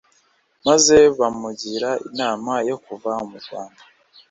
maze bamugira inama yo kuva mu Rwanda